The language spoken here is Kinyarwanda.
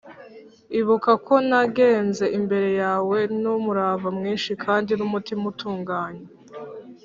ibuka ko nagenze imbere yawe n’umurava mwinshi kandi n’umutima utunganye,